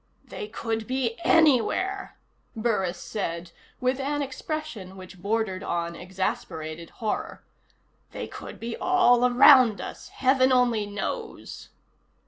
1 "They could be anywhere," Burris said, with an expression which bordered on exasperated horror. "They could be all around us. Heaven only knows."